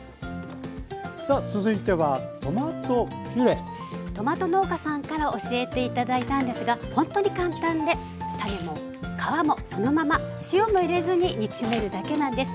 さあ続いてはトマト農家さんから教えて頂いたんですがほんとに簡単で種も皮もそのまま塩も入れずに煮詰めるだけなんです。